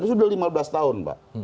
sudah lima belas tahun